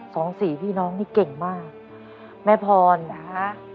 สองสี่พี่น้องนี่เก่งมากแม่พรนะฮะ